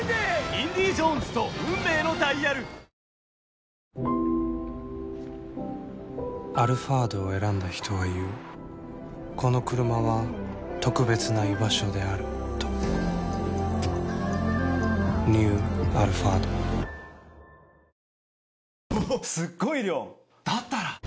「トリスハイボール」「アルファード」を選んだ人は言うこのクルマは特別な居場所であるとニュー「アルファード」もう行くの？